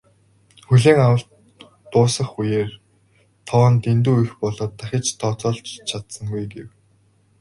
"Хүлээн авалт дуусах үеэр тоо нь дэндүү их болоод дахиж тооцоолж ч чадсангүй" гэв.